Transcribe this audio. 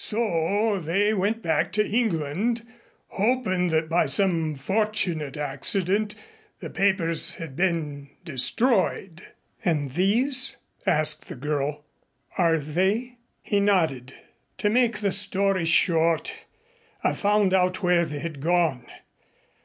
So they went back to England hopin' that by some fortunate accident the papers had been destroyed." "And these " asked the girl, "are they?" He nodded. "To make the story short, I found out where they had gone.